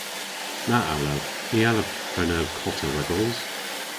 Na allav. Ny allav prena kota ragos.